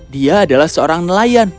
dia adalah seorang nelayan